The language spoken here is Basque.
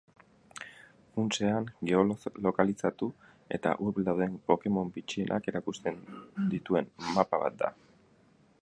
Funtsean, geolokalizatu eta hurbil dauden pokemon bitxienak erakusten dituen mapa bat da.